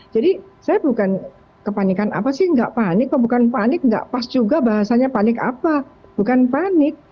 jadi saya bukan kepanikan apa sih nggak panik kok bukan panik nggak pas juga bahasanya panik apa bukan panik